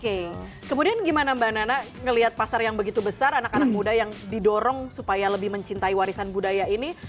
oke kemudian gimana mbak nana ngeliat pasar yang begitu besar anak anak muda yang didorong supaya lebih mencintai warisan budaya ini